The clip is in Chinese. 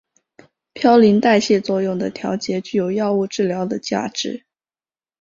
嘌呤代谢作用的调节具有药物治疗的价值。